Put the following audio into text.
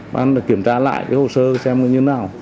ban kiểm tra lại cái hồ sơ xem như thế nào